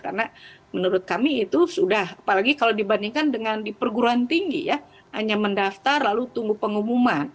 karena menurut kami itu sudah apalagi kalau dibandingkan dengan di perguruan tinggi ya hanya mendaftar lalu tunggu pengumuman